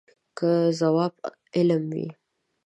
که ځواب علم وي.